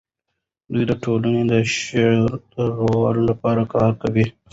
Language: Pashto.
دوی د ټولنې د شعور د لوړولو لپاره کار کوي.